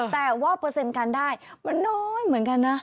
แต่ว่าเปอร์เซ็นต์การได้มันน้อยเหมือนกันนะ